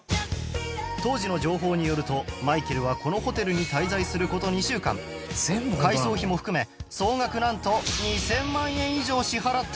当時の情報によるとマイケルはこのホテルに滞在する事２週間改装費も含め総額なんと２０００万円以上支払ったんだとか